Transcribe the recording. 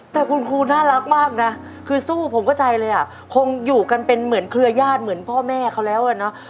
แต่คุณครูน่ารักมากนะคือสู้ผมเข้าใจเลยอ่ะคงอยู่กันเป็นเหมือนเครือญาติเหมือนพ่อแม่เขาแล้วอ่ะเนอะ